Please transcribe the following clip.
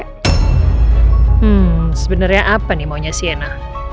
hmm sebenarnya apa nih maunya siena